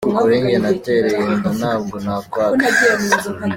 Kuri njye narateye inda ntabwo nakwanga.